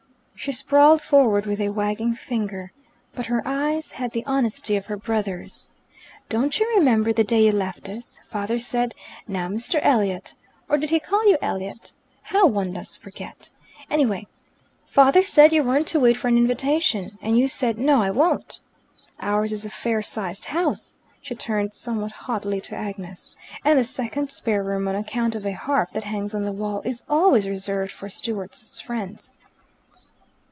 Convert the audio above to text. She sprawled forward with a wagging finger. But her eyes had the honesty of her brother's. "Don't you remember the day you left us? Father said, 'Now, Mr. Elliot ' Or did he call you 'Elliot'? How one does forget. Anyhow, father said you weren't to wait for an invitation, and you said, 'No, I won't.' Ours is a fair sized house," she turned somewhat haughtily to Agnes, "and the second spare room, on account of a harp that hangs on the wall, is always reserved for Stewart's friends."